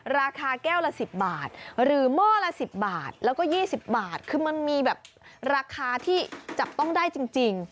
ราคาแก้วละ๑๐บาทหรือหม้อละ๑๐บาทแล้วก็๒๐บาทคือมันมีแบบราคาที่จับต้องได้จริง